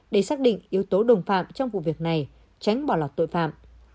để xác định yếu tố đồng phạm trong vụ việc này tránh bỏ lọt tội phạm